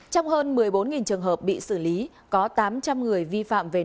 trong hơn một mươi bốn trường hợp bị xử lý có tám trăm linh người vi phạm về nội